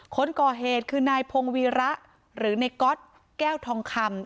คนก่อเหตุคือนายพงวีระหรือในก๊อตแก้วทองคำ